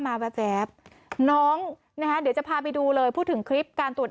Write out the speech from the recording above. มาป่ะแจ๊บน้องนะคะเดี๋ยวจะพาไปดูเลยพูดถึงคลิปการตรวจ